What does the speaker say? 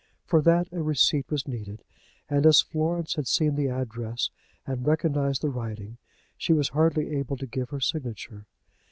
For that a receipt was needed, and as Florence had seen the address and recognized the writing, she was hardly able to give her signature.